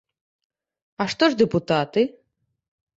А што ж дэпутаты?